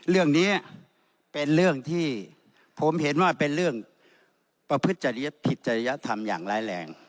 เรื่องนี้เป็นเรื่องที่ผมเห็นว่าเป็นเรื่องประพฤติผิดจริยธรรมอย่างร้ายแรง